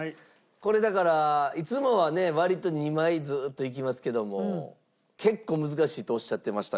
これだからいつもはね割と２枚ずっといきますけども結構難しいとおっしゃってましたが。